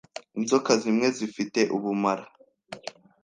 Inzoka zimwe zifite ubumara.